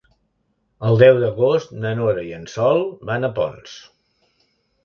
El deu d'agost na Nora i en Sol van a Ponts.